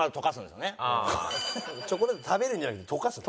チョコレート食べるんじゃなくて溶かすの？